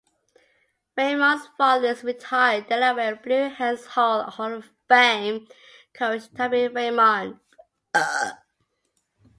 Raymond's father is retired Delaware Blue Hens Hall of Fame coach Tubby Raymond.